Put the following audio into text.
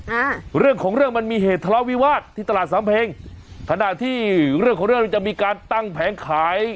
อ่าเรื่องของเรื่องมันมีเหตุทะเลาะวิวาสที่ตลาดสำเพ็งขณะที่เรื่องของเรื่องมันจะมีการตั้งแผงขาย